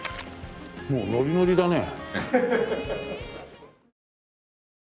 もうノリノリだね。